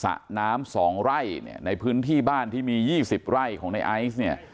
สระน้ำ๒ไร่เนี่ยในพื้นที่บ้านที่มี๒๐ไร่ของในไอซ์เนี่ย